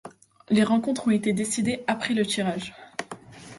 Les rencontres ont été décidées après le tirage.